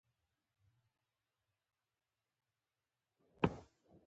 ژبپوهنیز سیند د پوهنمل په لاس لیکل شوی قاموس دی.